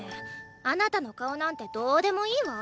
あなたの顔なんてどーでもいーわ。